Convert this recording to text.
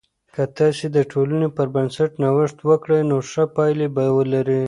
که تاسې د ټولنې پر بنسټ نوښت وکړئ، نو ښه پایلې به لرئ.